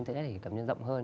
thì em có thể cảm nhận rộng hơn